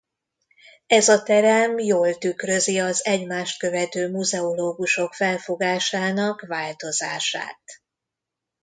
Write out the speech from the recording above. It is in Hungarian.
Ez a terem jól tükrözi az egymást követő muzeológusok felfogásának változását.